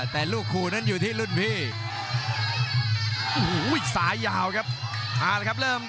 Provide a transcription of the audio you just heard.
แต่ลูกคู่นั้นอยู่ที่รุ่นพี่